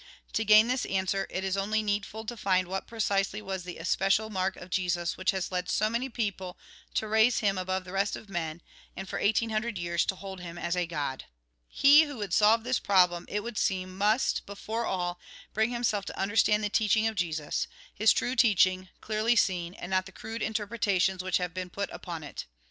To gain this answer, it is only needful to find what precisely was the especial mark of Jesus which has led so many people to raise him above the rest of men, and, for eighteen hundred years, to hold him as a God. He wdio would solve this problem, it would seem, must, before all, bring himself to understand the teachuig of Jesus ; his true teaching, clearly seen, and not the crude interpretations which have been put upon it.